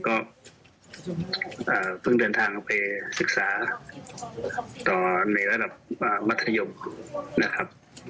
ก็เพิ่งเดินทางไปศึกษาต่อในระดับมัธยมนะครับ